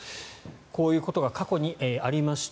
こういうことが過去にありました。